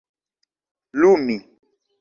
lumi